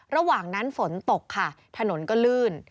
ระหว่างนั้นฝนตกค่ะถนนก็ลื่น